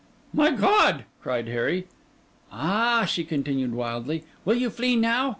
'My God!' cried Harry. 'Ah!' she continued wildly, 'will you flee now?